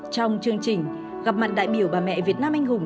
trong chương trình gặp mặt đại biểu bà mẹ việt nam anh hùng